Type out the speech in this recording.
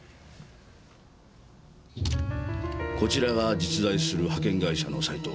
こちらが実在する派遣会社のサイト。